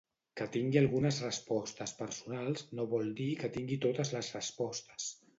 Que tingui algunes respostes personals no vol dir que tingui totes les respostes.